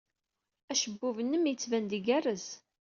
Acebbub-nnem yettban-d igerrez.